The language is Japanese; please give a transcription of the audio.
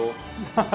ハハ！